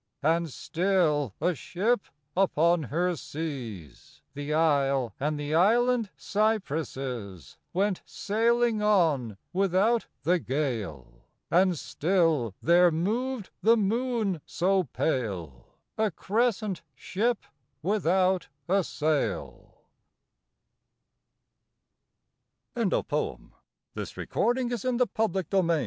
And still, a ship upon her seas. The isle and the island cypresses Went sailing on without the gale : And still there moved the moon so pale, A crescent ship without a sail ' I7S Oak and Olive \ Though I was born a Lon